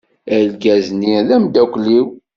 Argaz-nni d ameddakel-iw.